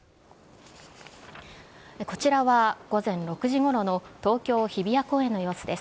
こちらは午前６時ごろの東京・日比谷公園の様子です。